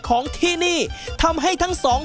ของที่นี่ทำให้ทั้งสอง